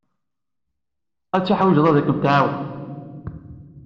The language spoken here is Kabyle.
Ad tt-teḥwijeḍ ad kem-tɛawen.